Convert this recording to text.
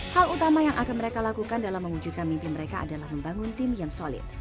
hal utama yang akan mereka lakukan dalam mewujudkan mimpi mereka adalah membangun tim yang solid